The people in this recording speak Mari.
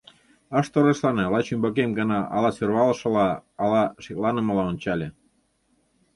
Ыш торешлане, лач ӱмбакем гына ала сӧрвалышыла, ала шекланымыла ончале.